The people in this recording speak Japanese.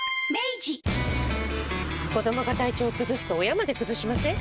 子どもが体調崩すと親まで崩しません？